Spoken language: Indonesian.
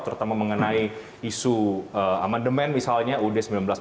terutama mengenai isu amendement misalnya ud seribu sembilan ratus empat puluh